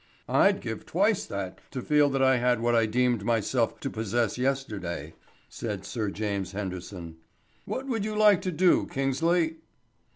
"I'd give twice that to feel that I had what I deemed myself to possess yesterday," said Sir James Henderson. "What would you like to do, Kingsley?"